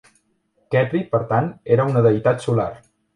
Khepri, per tant, era una deïtat solar.